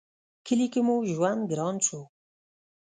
کلي کې مو ژوند گران شو